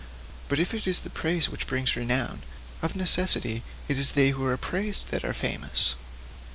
But if it is the praise which brings renown, of necessity it is they who are praised that are famous.